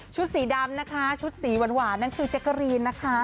สีดำนะคะชุดสีหวานนั่นคือแจ๊กกะรีนนะคะ